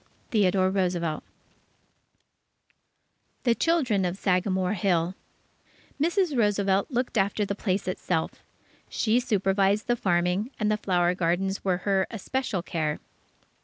Theodore Roosevelt THE CHILDREN OF SAGAMORE HILL Mrs. Roosevelt looked after the place itself. She supervised the farming, and the flower gardens were her especial care.